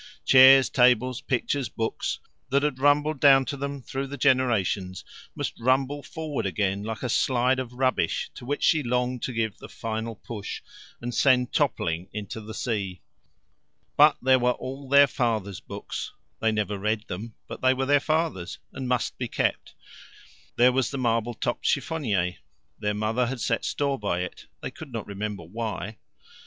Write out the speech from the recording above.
Chairs, tables, pictures, books, that had rumbled down to them through the generations, must rumble forward again like a slide of rubbish to which she longed to give the final push, and send toppling into the sea. But there were all their father's books they never read them, but they were their father's, and must be kept. There was the marble topped chiffonier their mother had set store by it, they could not remember why.